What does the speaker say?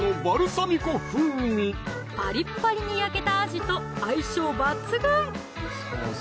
パリッパリに焼けたあじと相性抜群！